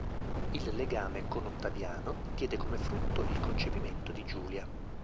Il legame con Ottaviano diede come frutto il concepimento di Giulia.